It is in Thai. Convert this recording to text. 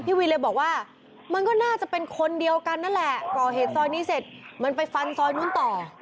วินเลยบอกว่ามันก็น่าจะเป็นคนเดียวกันนั่นแหละก่อเหตุซอยนี้เสร็จมันไปฟันซอยนู้นต่อ